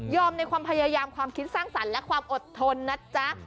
ในความพยายามความคิดสร้างสรรค์และความอดทนนะจ๊ะ